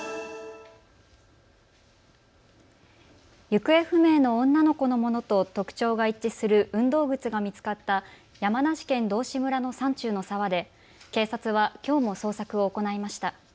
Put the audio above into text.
行方不明の女の子のものと特徴が一致する運動靴が見つかった山梨県道志村の山中の沢で警察はきょうも捜索を行いました。